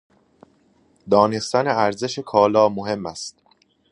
دانستن ارزش کالا مهم است.